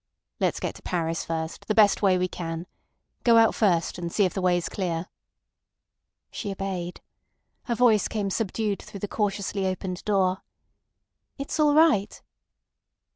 "Let's get to Paris first, the best way we can. ... Go out first, and see if the way's clear." She obeyed. Her voice came subdued through the cautiously opened door. "It's all right."